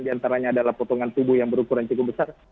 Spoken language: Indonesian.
diantaranya adalah potongan tubuh yang berukuran cukup besar